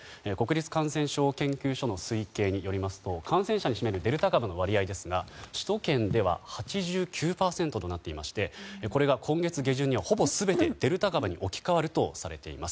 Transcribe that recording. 国立感染症研究所の推計によりますと感染者を占めるデルタ株の割合ですが首都圏では８９％となっていましてこれが今月下旬には、ほぼ全てデルタ株に置き換わるとされています。